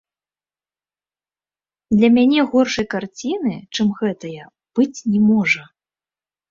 Для мяне горшай карціны, чым гэтая, быць не можа.